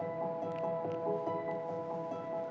ya kita ke sekolah